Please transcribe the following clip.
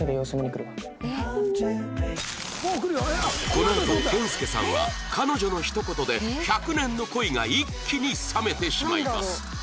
このあとケンスケさんは彼女の一言で１００年の恋が一気に冷めてしまいます